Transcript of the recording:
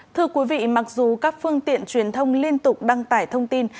thưa quý vị mặc dù các phương tiện truyền thông liên tục đăng tải thông tin